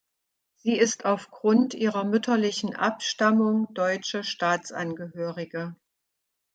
Sie ist aufgrund ihrer mütterlichen Abstammung deutsche Staatsangehörige.